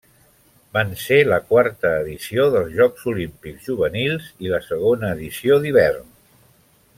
Van ser la quarta edició dels Jocs Olímpics Juvenils i la segona edició d'hivern.